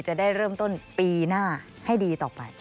จะได้เริ่มต้นปีหน้าให้ดีต่อไป